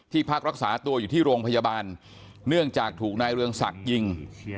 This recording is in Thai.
พักรักษาตัวอยู่ที่โรงพยาบาลเนื่องจากถูกนายเรืองศักดิ์ยิง